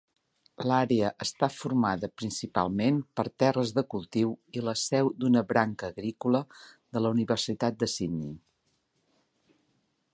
L'àrea està formada principalment per terres de cultiu i la seu d'una branca agrícola de la Universitat de Sydney.